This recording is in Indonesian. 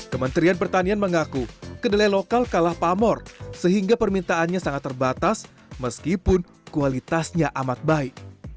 kementerian pertanian mengaku kedelai lokal kalah pamor sehingga permintaannya sangat terbatas meskipun kualitasnya amat baik